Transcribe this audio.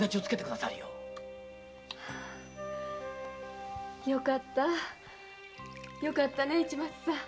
よかったよかったね市松さん。